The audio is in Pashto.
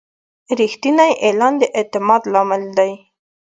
رښتینی اعلان د اعتماد لامل دی.